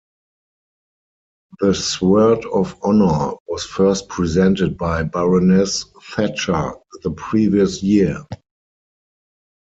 The Sword of Honour was first presented by Baroness Thatcher the previous year.